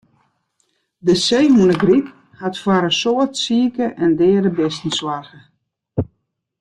De seehûnegryp hat foar in soad sike en deade bisten soarge.